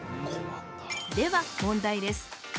では問題です。